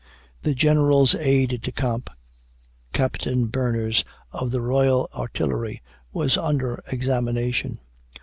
The General's Aide de Camp, Captain Berners, of the Royal Artillery, was under examination.